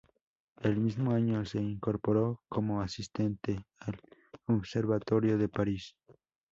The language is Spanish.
El mismo año, se incorporó como asistente al Observatorio de París.